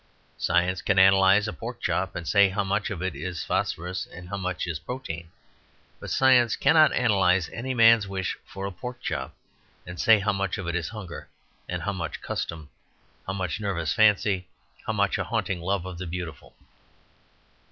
Science can analyse a pork chop, and say how much of it is phosphorus and how much is protein; but science cannot analyse any man's wish for a pork chop, and say how much of it is hunger, how much custom, how much nervous fancy, how much a haunting love of the beautiful.